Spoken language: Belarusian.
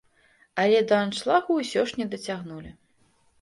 Але да аншлагу ўсё ж не дацягнулі.